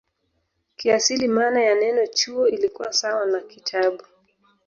Kiasili maana ya neno "chuo" ilikuwa sawa na "kitabu".